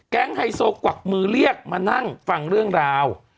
ไฮโซกวักมือเรียกมานั่งฟังเรื่องราว